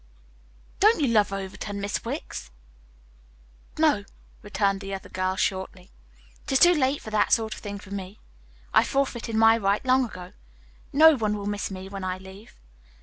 "Don't you love Overton, Miss Wicks?" "No," returned the other girl shortly. "It is too late for that sort of thing for me. I forfeited my right long ago. No one will miss me when I leave.